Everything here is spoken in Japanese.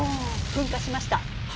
噴火しました。